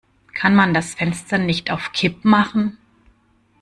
Kann man das Fenster nicht auf Kipp machen?